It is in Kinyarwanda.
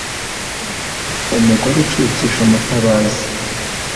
Umugore ucukije umutabazi,